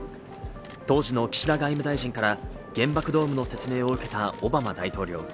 当時の岸田外務大臣から原爆ドームの説明を受けたオバマ大統領。